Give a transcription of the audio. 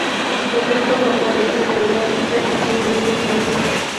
El resto brocal es irregular y presenta menos definición.